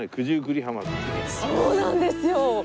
そうなんですよ。